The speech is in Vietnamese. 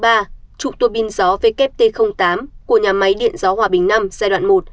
trụ tua pin giáo wt tám của nhà máy điện giáo hòa bình năm giai đoạn một